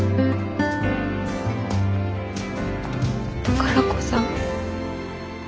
宝子さん。